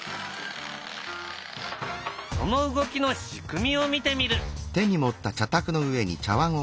その動きの仕組みを見てみる。